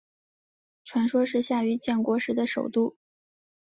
传说是夏禹建国时的首都。